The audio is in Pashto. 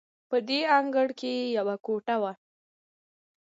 په دې انګړ کې یوه کوټه وه.